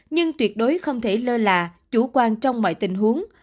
nhưng tuyệt đối không thể lơ là chủ quan trong mọi tình huống